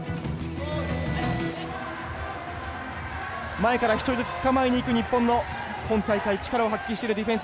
前から１人ずつ捕まえにいく日本の今大会力を発揮してるディフェンスです。